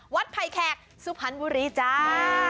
วัดไพแขกซุภัณฑ์บุรีจ้า